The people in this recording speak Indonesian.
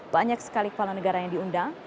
banyak sekali kepala negara yang diundang